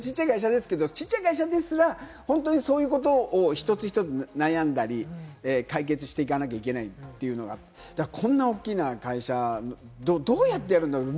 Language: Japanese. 小さい会社ですら、そういうことを一つ一つ悩んだり、解決していかなきゃいけないというのが、だからこんな大きな会社をどうやってやるんだろうって